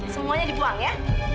semuanya dibuang ya